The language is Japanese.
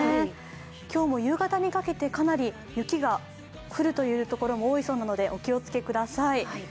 今日も夕方にかけてかなり雪が降るという所も多いそうなのでお気をつけください。